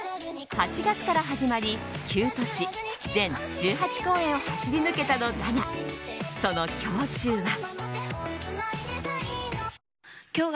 ８月から始まり９都市、全１８公演を走り抜けたのだが、その胸中は。